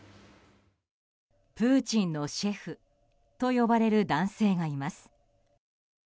プーチンのシェフと呼ばれる男性がいます。